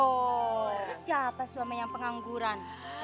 terus siapa sih sama yang pengangguran